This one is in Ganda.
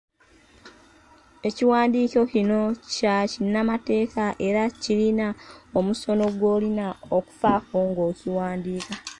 Ekiwandiiko kino kya kinnamateeka era kirina omusono gw'olina okufaako ng'okiwandiika.